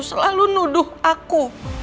selalu nuduh aku